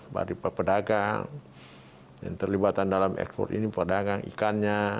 dari pedagang yang terlibat dalam ekspor ini pedagang ikannya